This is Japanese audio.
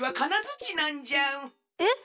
えっ！